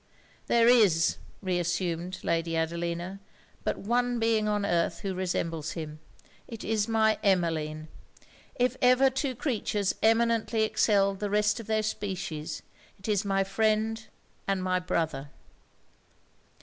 'There is,' reassumed Lady Adelina, 'but one being on earth who resembles him: it is my Emmeline! If ever two creatures eminently excelled the rest of their species, it is my friend and my brother!'